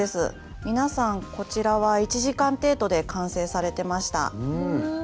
皆さんこちらは１時間程度で完成されてました。